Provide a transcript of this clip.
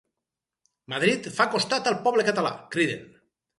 Madrid fa costat al poble català, criden.